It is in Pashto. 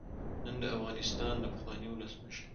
نن د افغانستان د پخواني ولسمشر